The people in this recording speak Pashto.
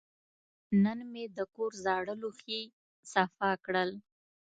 نن مې د کور زاړه لوښي صفا کړل.